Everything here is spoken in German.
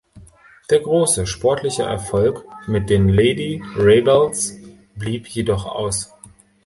Der große sportliche Erfolg mit den Lady Rebels blieb jedoch aus.